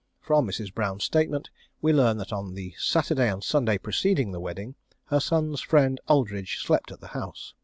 From Mrs. Brown's statement we learn that on the Saturday and Sunday preceding the wedding her son's friend Aldridge slept at the house.